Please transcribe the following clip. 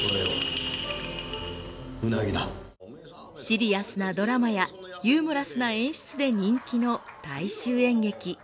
シリアスなドラマやユーモラスな演出で人気の大衆演劇。